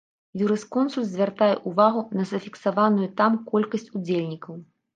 Юрысконсульт звяртае ўвагу на зафіксаваную там колькасць удзельнікаў.